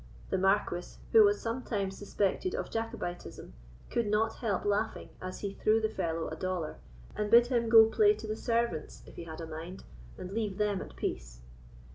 The Marquis, who was sometimes suspected of Jacobitism, could not help laughing as he threw the fellow a dollar, and bid him go play to the servants if he had a mind, and leave them at peace.